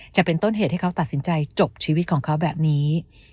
จะเป็นต้นเหตุให้เขาตัดสินใจจบชีวิตของเขาแบบนี้